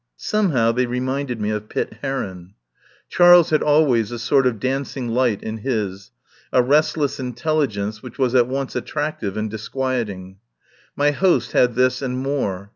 Somehow they reminded me of Pitt Heron. Charles had always a sort of dancing light in his, a restless intelligence which was at once attractive and disquieting. My host had this and more.